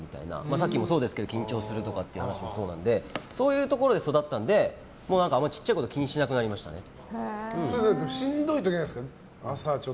さっきの緊張するとかっていう話もそうですけどそういうところで育ったのであまり小さいことをしんどい時はないですか？